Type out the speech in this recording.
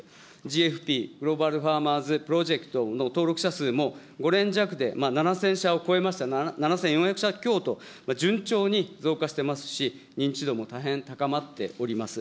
ＧＦＰ・グローバルファーマーズプロジェクトの登録者数も、５年弱で７０００社を超えました、７４００社と順調に増加してますし、認知度も大変高まっております。